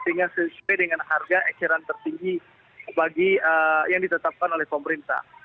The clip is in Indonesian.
dengan sesuai dengan harga ekstran tertinggi yang ditetapkan oleh pemerintah